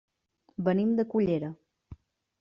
Venim de Cullera.